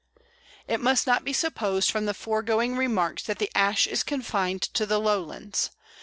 It must not be supposed from the foregoing remarks that the Ash is confined to the lowlands.